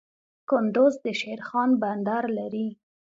کندز د شیرخان بندر لري